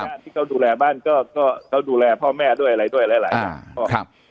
ยาดที่เขาดูแลบ้านก็ดูแลพ่อแม่ด้วยอะไรด้วยอะไร